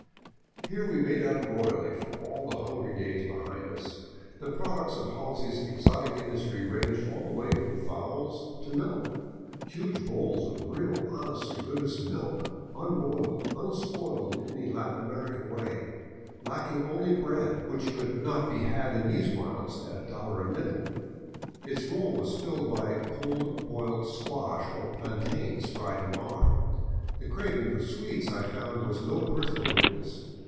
Here we made up royally for all the hungry days behind us. The products of Halsey 's exotic industry ranged all the way from fowls to milk — huge bowls of real, honest to goodness milk, unboiled, un spoiled in any Latin American way — lacking only bread, which could 589 VAGABONDING DOWN THE ANDES not be had in these wilds at a dollar a nibble. Its role was filled by cold boiled squash, or plantains fried in lard. The craving for sweets I found was no personal weakness.